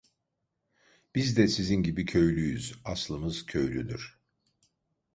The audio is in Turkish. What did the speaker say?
Biz de sizin gibi köylüyüz, aslımız köylüdür.